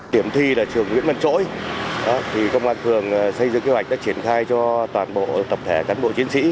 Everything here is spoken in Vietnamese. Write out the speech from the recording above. điểm thi là trường nguyễn văn trỗi công an thường xây dựng kế hoạch đã triển khai cho toàn bộ tập thể cán bộ chiến sĩ